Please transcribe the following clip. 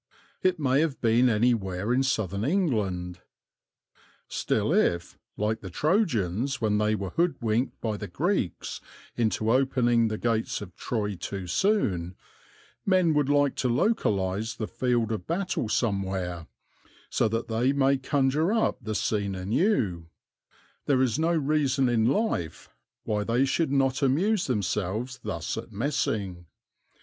It may have been anywhere in southern England. Still if, like the Trojans when they were hoodwinked by the Greeks into opening the gates of Troy too soon, men would like to localize the field of battle somewhere, so that they may conjure up the scene anew, there is no reason in life why they should not amuse themselves thus at Messing.